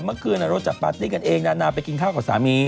เมื่อคืนเราจัดปาร์ตี้กันเองนานาไปกินข้าวกับสามี